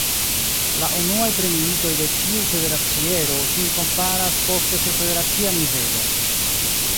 La unuaj premiitoj de ĉiu federaciero sin komparas poste sur federacia nivelo.